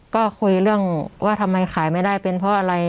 ก็คุยเรื่องว่าทำไมขายไม่ได้เป็นเพราะอะไร